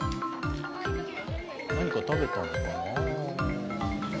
何か食べたのかな？